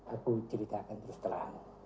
aku ceritakan terus terang